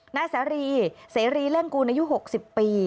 หน้าแสรีแสรีเร่งกูนายุ๖๐ปี